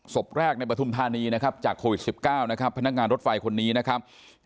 ศพแรกในปฐุมธานีนะครับจากโควิด๑๙นะครับพนักงานรถไฟคนนี้นะครับ